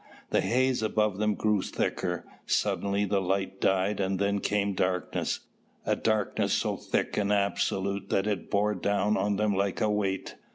The haze above them grew thicker. Suddenly the light died and then came darkness, a darkness so thick and absolute that it bore down on them like a weight.